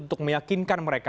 untuk meyakinkan mereka